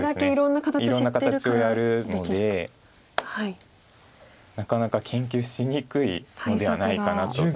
いろんな形をやるのでなかなか研究しにくいのではないかなと。